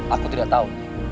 aku tidak tahu